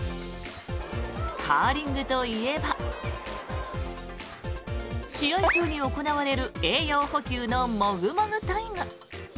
カーリングといえば試合中に行われる栄養補給のもぐもぐタイム。